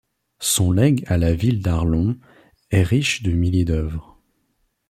Son legs à la Ville d'Arlon est riche de milliers d'œuvres.